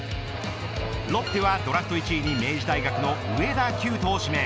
ロッテはドラフト１位に明治大学の上田希由翔を指名。